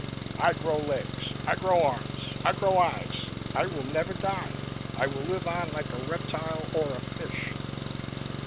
I grow legs, I grow arms, I grow eyes. I will never die! I will live on like a reptile or a fish."